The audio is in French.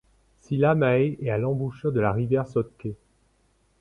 Sillamäe est à l’embouchure de la rivière Sõtke.